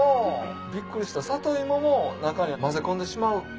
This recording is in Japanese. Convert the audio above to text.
ビックリした里芋も中に混ぜ込んでしまう。